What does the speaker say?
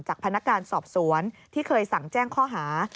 พนักงานสอบสวนที่เคยสั่งแจ้งข้อหา